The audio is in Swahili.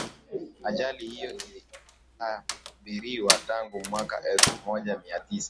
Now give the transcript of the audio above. ajali hiyo ilitabiriwa tangu mwaka elfu moja mia tisa